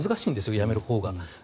やめるほうが。